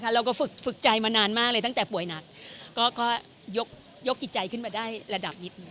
เราก็ฝึกใจมานานมากเลยตั้งแต่ป่วยหนักก็ยกจิตใจขึ้นมาได้ระดับนิดนึ